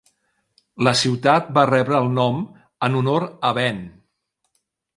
La ciutat va rebre el nom en honor a Ben.